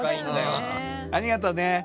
ありがとね。